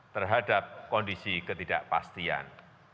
terhadap kondisi ketidakpastian